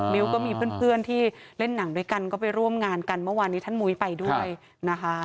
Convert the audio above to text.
มิ้วก็มีเพื่อนที่เล่นหนังด้วยกันก็ไปร่วมงานกันเมื่อวานนี้ท่านมุ้ยไปด้วยนะคะ